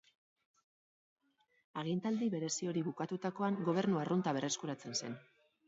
Agintaldi berezi hori bukatutakoan, gobernu arrunta berreskuratzen zen.